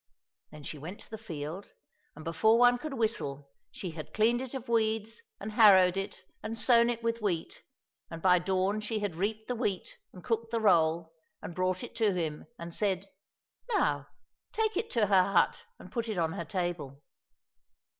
Then she went to the field, and before one could whistle she had cleaned it of weeds and harrowed it and sown it with wheat, and by dawn she had reaped the wheat and cooked the roll and brought it to him, and said, " Now, take it to her hut and put it on her table."